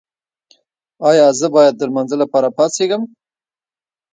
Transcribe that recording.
ایا زه باید د لمانځه لپاره پاڅیږم؟